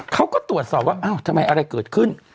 เขาก็ตรวจสอบว่าอ้าวทำไมอะไรเกิดขึ้น